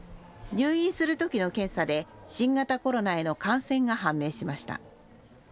入院するときの検査で新型コロナへの感染が判明しました。